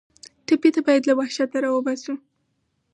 ټپي ته باید له وحشته راوباسو.